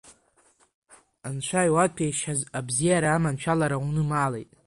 Анцәа иуаҭәеишьаз абзиара аманшәалара унымаалеит.